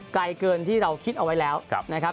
ไกลเกินที่เราคิดเอาไว้แล้วนะครับ